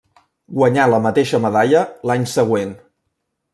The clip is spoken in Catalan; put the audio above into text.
Guanyà la mateixa medalla l'any següent.